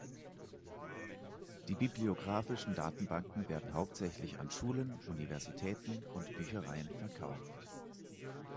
Die bibliographischen Datenbanken werden hauptsächlich an Schulen, Universitäten und Büchereien verkauft.